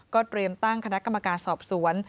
เตรียมตั้งคณะกรรมการสอบสวน